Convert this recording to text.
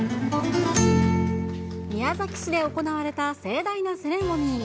宮崎市で行われた盛大なセレモニー。